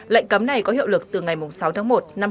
lệnh cấm này có hiệu lực từ ngày sáu tháng một năm hai nghìn hai mươi